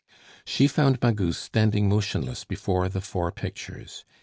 She found Magus standing motionless before the four pictures.